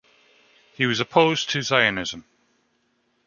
He was opposed to Zionism.